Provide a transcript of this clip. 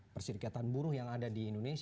perserikatan buruh yang ada di indonesia